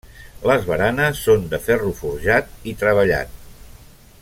Les baranes són de ferro forjat i treballat.